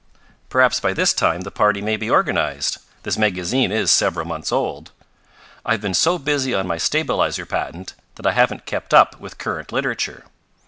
"Perhaps by this time the party may be organized this magazine is several months old. I have been so busy on my stabilizer patent that I haven't kept up with current literature.